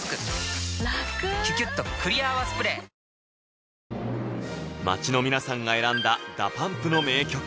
１抗菌街の皆さんが選んだ「ＤＡＰＵＭＰ」の名曲